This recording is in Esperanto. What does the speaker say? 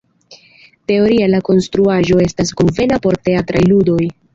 Teoria la konstruaĵo estas konvena por teatraj ludoj.